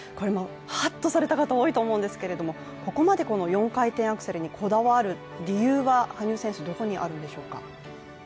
ハッとされた方、多かったと思うんですけどここまで４回転アクセルにこだわる理由は羽生選手、どこにあるんでしょうか？